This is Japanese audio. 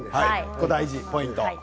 ここ大事、ポイント。